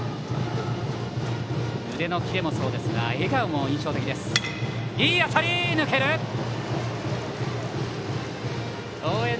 腕のキレもそうですが笑顔も印象的な応援。